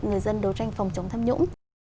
người dân đấu tranh phòng chống tham nhũng